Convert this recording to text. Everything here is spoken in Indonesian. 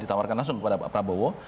ditawarkan langsung kepada pak prabowo